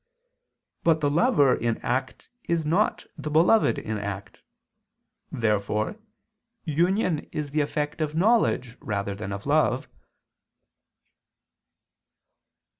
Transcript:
But the lover in act is not the beloved in act. Therefore union is the effect of knowledge rather than of love.